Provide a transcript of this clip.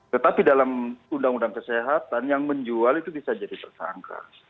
tetapi dalam undang undang kesehatan yang menjual itu bisa jadi tersangka